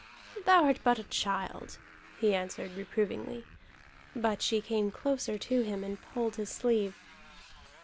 "Thou art but a child," he answered reprovingly. But she came closer to him and pulled his sleeve.